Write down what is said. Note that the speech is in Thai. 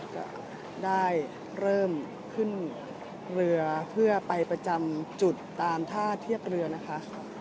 ก็ได้เริ่มขึ้นเรือเพื่อไปประจำจุดตามท่าเทียบเรือนะคะ